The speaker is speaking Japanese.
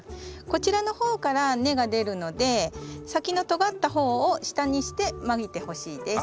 こちらの方から根が出るので先のとがった方を下にしてまいてほしいです。